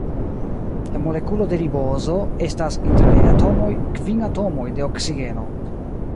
En molekulo de ribozo estas, inter aliaj atomoj, kvin atomoj de oksigeno.